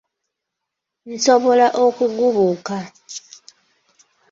Nsobola okugubuuka!